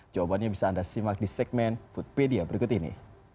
jawabannya bisa anda simak di segmen foodpedia berikut ini